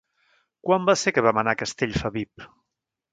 Quan va ser que vam anar a Castellfabib?